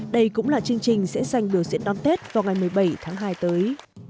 đây cũng là chương trình sẽ dành biểu diễn đón tết vào ngày một mươi bảy tháng hai tới